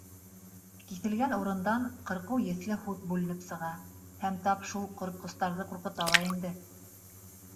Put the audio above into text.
Киҫелгән урындан ҡырҡыу еҫле һут бүленеп сыға һәм тап шул ҡоротҡостарҙы ҡурҡыта ла инде.